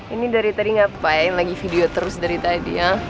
ini dari tadi ngapain lagi video terus dari tadi ya